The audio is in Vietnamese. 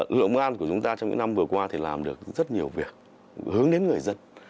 lực lượng công an của chúng ta trong những năm vừa qua thì làm được rất nhiều việc hướng đến người dân